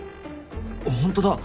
ホントだ。